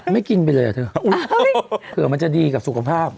ไม่กินไปเลยอ่ะเธอเผื่อมันจะดีกับสุขภาพ